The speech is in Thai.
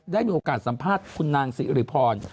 ได้มีโอกาสสัมภาษณ์คุณนางสิริพร